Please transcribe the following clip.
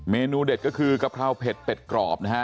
เมนูเด็ดก็คือกะเพราเผ็ดเป็ดกรอบนะฮะ